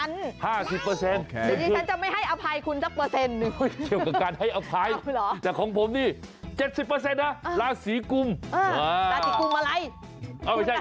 ราศีไม่ทุนราศีตัวเองยังพูดผิดเลย